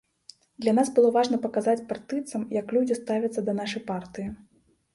Для нас было важна паказаць партыйцам, як людзі ставяцца да нашай партыі.